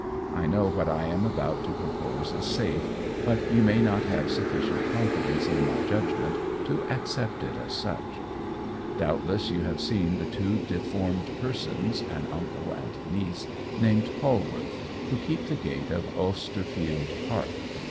I know what I am about to propose is safe, but you may not have sufficient confidence in my judgment to accept it as such. "Doubtless you have seen the two deformed persons, an uncle and niece, named Polwarth, who keep the gate of Osterfield Park.